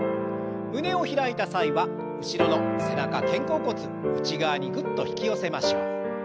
胸を開いた際は後ろの背中肩甲骨内側にグッと引き寄せましょう。